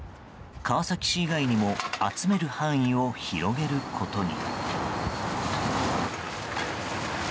川崎市以外にも集める範囲を広げることに。